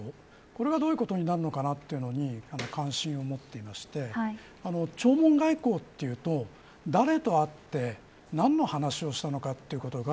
これがどういうことになるのかに関心を持っていまして弔問外交というと、誰と会って何の話をしたのかということが